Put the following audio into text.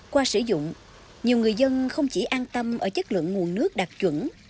qua sử dụng nhiều người dân không chỉ an tâm ở chất lượng nguồn nước đạt chuẩn